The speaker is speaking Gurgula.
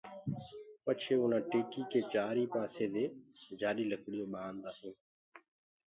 پڇي اُنآ ٽيڪيٚ ڪي چآرئي پآسي دي جآڏي لڪڙيونٚ باندآ هينٚ